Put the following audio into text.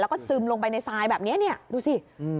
แล้วก็ซึมลงไปในไซน์แบบนี้ดูสิ